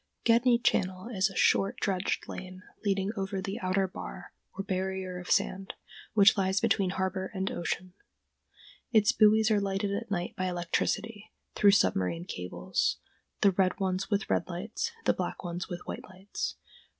] Gedney Channel is a short, dredged lane leading over the outer bar, or barrier of sand, which lies between harbor and ocean. Its buoys are lighted at night by electricity, through submarine cables, the red ones with red lights, the black ones with white lights.